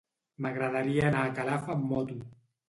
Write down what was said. M'agradaria anar a Calaf amb moto.